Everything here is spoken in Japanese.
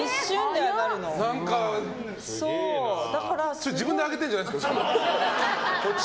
それ、自分で上げてるんじゃないですか？